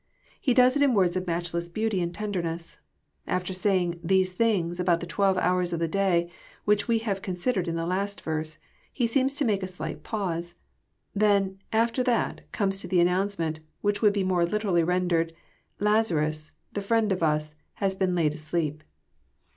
He does it in words of matchless beanty and tenderness. After saying these things" aboatthe twelve hours of the day, which we have considered in the last verse. He seems to make a slight pause. Then, '< after that," comes the announcement, which would be more literally rendered, <' Lazarus, the friend of us, has been laid asleep."